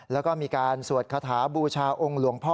แล้วก็มีการสวดคาถาบูชาองค์หลวงพ่อ